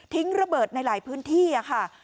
ระเบิดในหลายพื้นที่ค่ะ